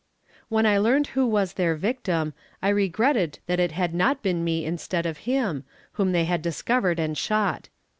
When I learned who was their victim, I regretted that it had not been me instead of him, whom they had discovered and shot.